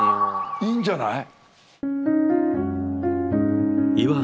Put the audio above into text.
いいんじゃない？